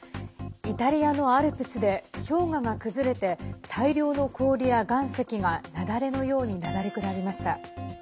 イタリアのアルプスで氷河が崩れて大量の氷や岩石が雪崩のように流れ下りました。